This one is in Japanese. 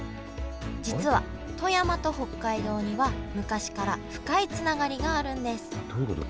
実は富山と北海道には昔から深いつながりがあるんですどういうこと？